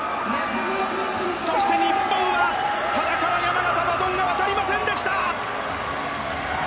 そして日本は多田から山縣にバトンが渡りませんでした。